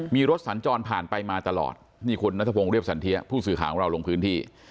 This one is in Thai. มีรถสัญจรผ่านไปมาตลอดนี่คุณนัทพงศ์เรียบสันเทียผู้สื่อข่าวของเราลงพื้นที่